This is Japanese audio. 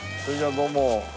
どうも。